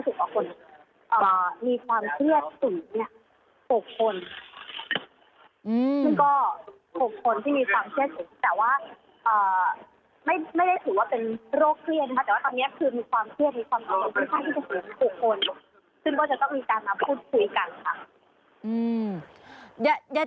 ซึ่งก็จะต้องมีการมาพูดคุยกันค่ะ